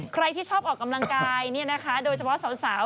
ใครที่ชอบออกกำลังกายโดยเฉพาะสาว